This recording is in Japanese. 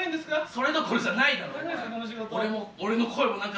それどころじゃないだろお前。